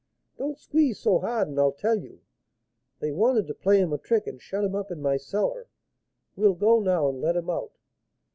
'Don't squeeze so hard, and I'll tell you. They wanted to play him a trick and shut him up in my cellar; we'll go now and let him out.'